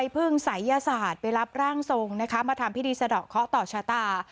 พึ่งศัยยศาสตร์ไปรับร่างทรงนะคะมาทำพิธีสะดอกเคาะต่อชะตา